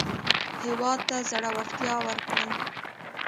هېواد ته زړورتیا ورکړئ